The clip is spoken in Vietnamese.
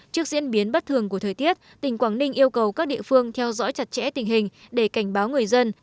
trước diễn biến bất thường của thời tiết tỉnh quảng ninh yêu cầu các địa phương theo dõi chặt chẽ tình hình để cảnh báo người dân